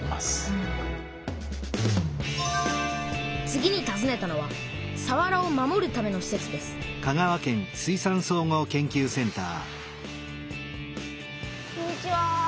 次にたずねたのはさわらを守るためのしせつですこんにちは。